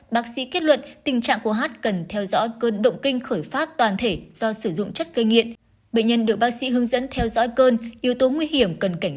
bác sĩ kết luận tình trạng của hát cần theo dõi cơn động kinh khởi phát toàn thể do sử dụng chất gây nghiện